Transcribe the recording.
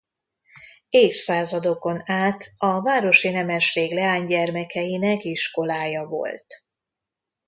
Évszázadokon át a városi nemesség leánygyermekeinek iskolája volt.